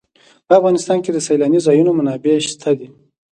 په افغانستان کې د سیلاني ځایونو منابع شته دي.